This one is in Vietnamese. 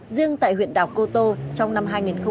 riêng tại huyện đảo cô tô trong năm